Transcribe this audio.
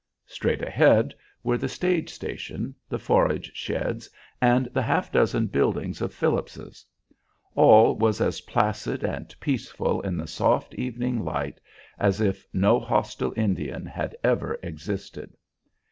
Straight ahead were the stage station, the forage sheds, and the half dozen buildings of Phillips's. All was as placid and peaceful in the soft evening light as if no hostile Indian had ever existed.